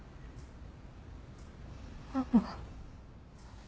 ママ。